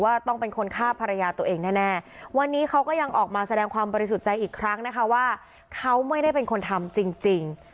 ว่าต้องเป็นคนฆ่าภรรยาตัวเองแน่วันนี้เขาก็ยังออกมาแสดงความบริสุทธิ์ใจอีกครั้งนะคะว่าเขาไม่ได้เป็นคนทำจริง